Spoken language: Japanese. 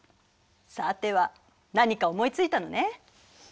さては何か思いついたのね？